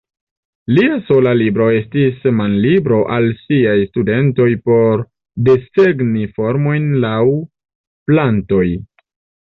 Lia sola libro estis manlibro al siaj studentoj por desegni formojn laŭ plantoj.